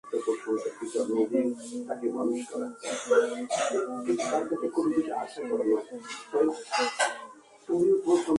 Rangpur riders বনাম চিটাগং ভাইকিংসের ম্যাচটা নির্ধারিত হয়েছে একেবারে শেষ বলে।